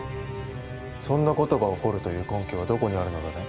そんなことが起こるという根拠はどこにあるのだね？